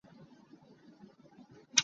Ka nu min a thei lo.